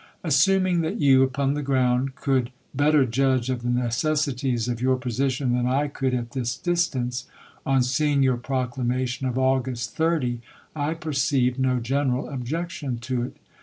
Assuming that you, upon the ground, could better judge of the necessities of your position than I could at this distance, on seeing your proclamation of August 30 I perceived no general objec tion to it.